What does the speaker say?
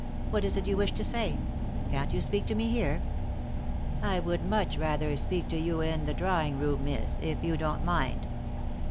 What is it you wish to say ? Can't you speak to me here ?"" I would much rather speak to you in the drawing room, miss, if you don't mind."